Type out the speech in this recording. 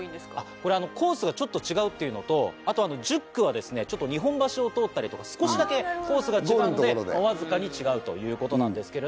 これはコースがちょっと違うっていうのとあと１０区は日本橋を通ったりとか少しだけコースが違うのでわずかに違うんですけど。